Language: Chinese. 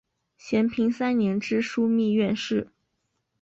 咸平三年知枢密院事。